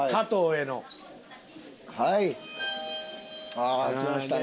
ああ来ましたね。